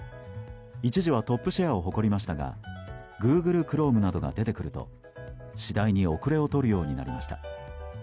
一時はトップシェアを誇りましたがグーグル・クロームなどが出てくると次第に後れを取るようになりました。